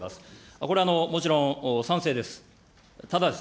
これ、もちろん賛成です。